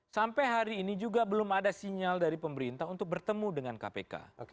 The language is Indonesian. sampai hari ini juga belum ada sinyal dari pemerintah untuk bertemu dengan kpk